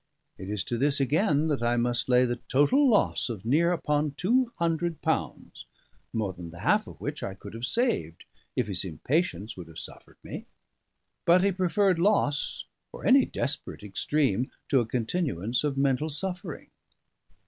It is to this, again, that I must lay the total loss of near upon two hundred pounds, more than the half of which I could have saved if his impatience would have suffered me. But he preferred loss or any desperate extreme to a continuance of mental suffering.